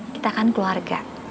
kita kan keluarga